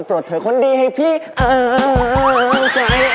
ปลอดเถอะคนดีให้พี่เอาใจ